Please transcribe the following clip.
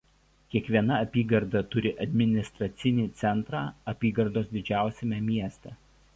Kiekviena apygarda turi administracinį centrą apygardos didžiausiame mieste.